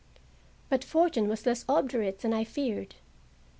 But fortune was less obdurate than I feared.